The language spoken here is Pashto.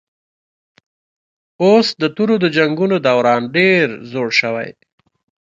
اوس د تورو د جنګونو دوران ډېر زوړ شوی